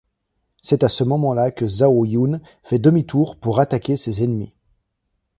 C'est à ce moment-là que Zhao Yun fait demi-tour pour attaquer ses ennemis.